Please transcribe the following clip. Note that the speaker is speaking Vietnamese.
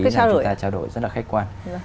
chúng ta trao đổi rất là khách quan